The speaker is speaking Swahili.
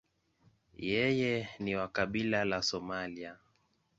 Yeye ni wa kabila la Somalia.